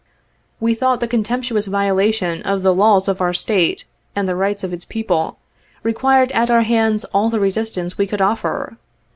We thought the contemptuous violation of the laws of our State and the rights of its people, required at our hands all the resistance we could offer.